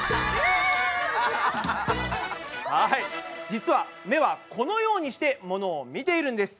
実は目はこのようにしてモノを見ているんです。